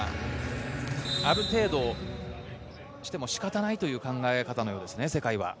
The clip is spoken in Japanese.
山本さん、サーブミスは今、ある程度しても仕方ないという考え方のようですね、世界は。